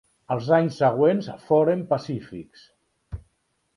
Els anys següents foren pacífics.